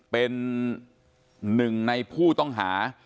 เป็น๑ในผู้ต้องหา